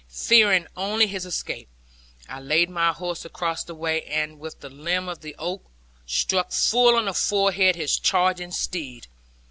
Fearing only his escape, I laid my horse across the way, and with the limb of the oak struck full on the forehead his charging steed.